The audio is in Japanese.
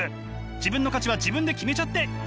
自分の価値は自分で決めちゃっていいんです！